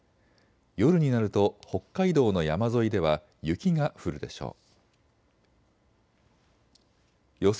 夜になると北海道の山沿いでは雪が降るでしょう。